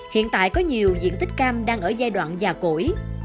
hiện tại có nhiều diện tích cam đang ở giai đoạn già cỗi